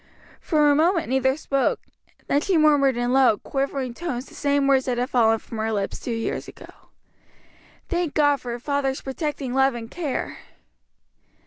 For a moment neither spoke; then she murmured in low, quivering tones the same words that had fallen from her lips two years ago, "Thank God for a father's protecting love and care!"